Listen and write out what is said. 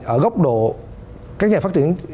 ở góc độ các nhà phát triển